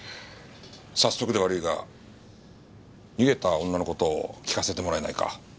早速で悪いが逃げた女の事を聞かせてもらえないか？